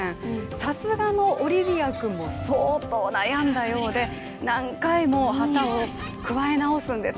さすがのオリビア君も相当悩んだようで、何回も旗を加え直すんです。